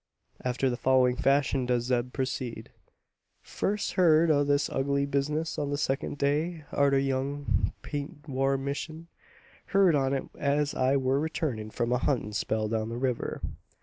After the following fashion does Zeb proceed: "Fust heerd o' this ugly bizness on the second day arter young Peint war missin'. Heerd on it as I war reeturnin' from a huntin' spell down the river.